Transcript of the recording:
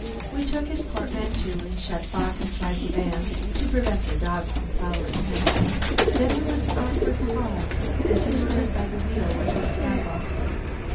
We took his portmanteau, and shut Bock inside the van to prevent the dog from following him. Then there was an awkward pause as he stood by the wheel with his cap off.